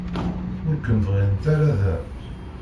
Ur kem-bɣint ara da.